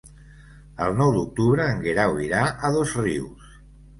El nou d'octubre en Guerau irà a Dosrius.